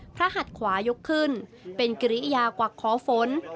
หัดขวายกขึ้นเป็นกิริยากวักขอฝน